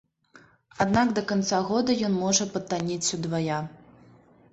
Аднак да канца года ён можа патаннець удвая.